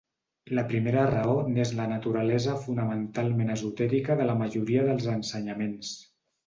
La primera raó n'és la naturalesa fonamentalment esotèrica de la majoria dels ensenyaments.